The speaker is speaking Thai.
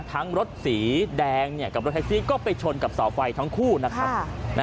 รถสีแดงกับรถแท็กซี่ก็ไปชนกับเสาไฟทั้งคู่นะครับ